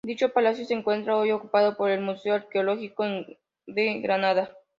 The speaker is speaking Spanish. Dicho palacio se encuentra hoy ocupado por el Museo Arqueológico de Granada.